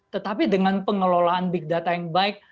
tetapi dengan pengelolaan big data yang baik